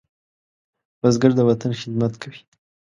بزګر د وطن خدمت کوي